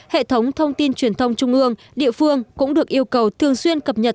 hệ thống thông tin truyền thông trung ương địa phương cũng được yêu cầu thường xuyên cập nhật